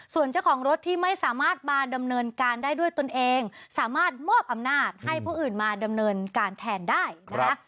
ส่วนเจ้าของรถที่ไม่สามารถมาดำเนินการได้ด้วยตนเองสามารถมอบอำนาจให้ผู้อื่นมาดำเนินการแทนได้นะคะ